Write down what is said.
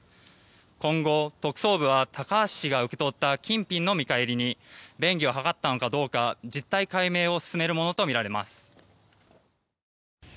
今後、特捜部は高橋氏が受け取った金品の見返りに便宜を図ったのかどうか実態解明を進めるものとみられます。